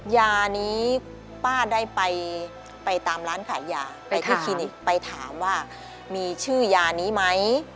ยานี้ป้าได้ไปตามร้านขายยาไปที่คลินิกไปถามว่ามีชื่อยานี้ไหม